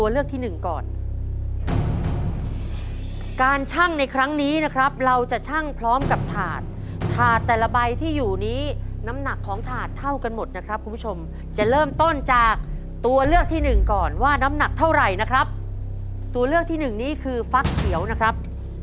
เรื่องครูสุรพลสมบัติเจริญครับ